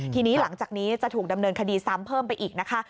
ทีนี้หลังจากนี้จะถูกดำเนินคดีซ้ำเพิ่มไปอีกนะคะ